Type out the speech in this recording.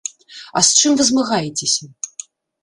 А з чым вы змагаецеся?